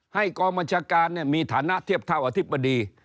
กองบัญชาการมีฐานะเทียบเท่าอธิบดี